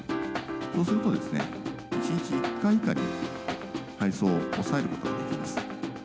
そうするとですね、１日１回以下に配送を抑えることができます。